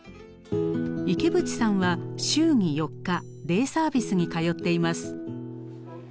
池淵さんは週に４日デイサービスに通っています。